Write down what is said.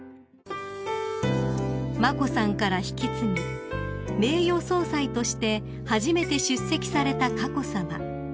［眞子さんから引き継ぎ名誉総裁として初めて出席された佳子さま］